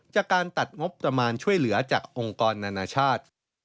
จากการตัดงบประมาณช่วยเหลือจากองค์กรนานาชาติ